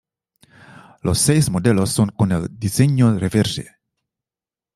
Los seis modelos son con el diseño "reverse".